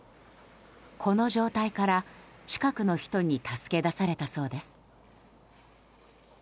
この状態から近くの人に助け出されたそうです。